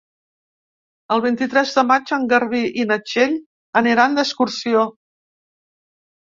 El vint-i-tres de maig en Garbí i na Txell aniran d'excursió.